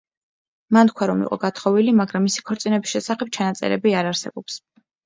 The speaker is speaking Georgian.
მან თქვა რომ იყო გათხოვილი, მაგრამ მისი ქორწინების შესახებ ჩანაწერები არ არსებობს.